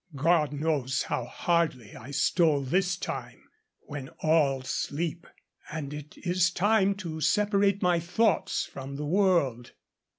God knows how hardly I stole this time, when all sleep; and it is time to separate my thoughts from the world.